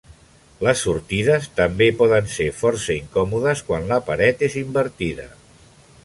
Les sortides també poden ser força incòmodes quan la paret és invertida.